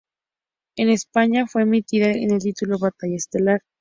En España, fue emitida con el título "Batalla Estelar".